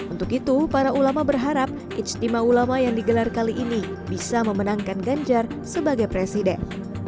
untuk itu para ulama berharap ijtima ulama yang digelar kali ini bisa memenangkan ganjar sebagai presiden